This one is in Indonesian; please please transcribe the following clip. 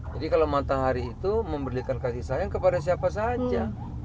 jadi kalau matahari itu memberikan kasih sayang kepada siapa saja